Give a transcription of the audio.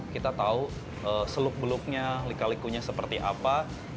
kita tahu seluk beluknya lika likunya seperti apa